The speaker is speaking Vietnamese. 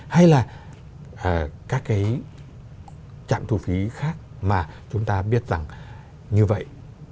hay là các cái trạm thu phí khác mà chúng ta biết rằng như vậy